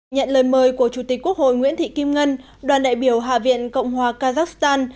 nhận lời mời của chủ tịch quốc hội nguyễn thị kim ngân đoàn đại biểu hạ viện cộng hòa kazakhstan